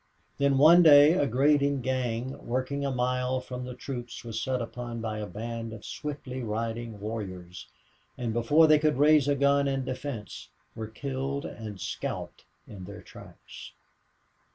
Then, one day, a grading gang working a mile from the troops was set upon by a band of swiftly riding warriors, and before they could raise a gun in defense were killed and scalped in their tracks.